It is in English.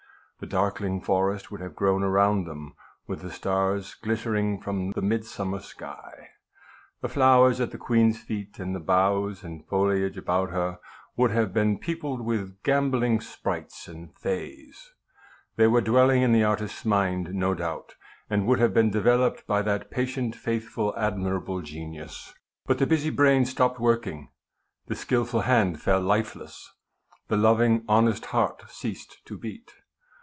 The darkling forest would have grown around them, with the stars glittering from the midsummer 16 (241) 242 THE LAST SKETCH. sky. The flowers at the queen's feet, and the boughs and foliage about her, would have been peopled Avith gambolling sprites and fays. They were dwelling in the artist's mind no doubt, and would have been developed* by that patient, faithful, admi rable genius. But the busy brain stopped working, the skilful hand fell lifeless, the loving, honest heart ceased to beat.